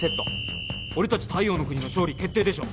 俺たち太陽ノ国の勝利決定でしょ。